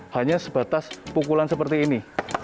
hanya sebatas pukulan seperti ini